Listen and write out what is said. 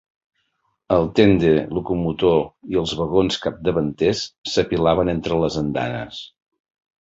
El tènder locomotor i els vagons capdavanters s'apilaven entre les andanes.